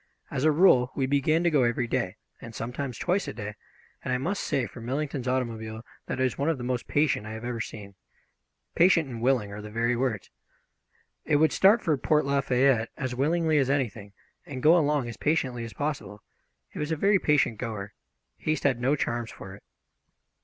As a rule we began to go every day, and sometimes twice a day, and I must say for Millington's automobile that it was one of the most patient I have ever seen. Patient and willing are the very words. It would start for Port Lafayette as willingly as anything, and go along as patiently as possible. It was a very patient goer. Haste had no charms for it.